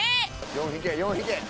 ４引け４引け。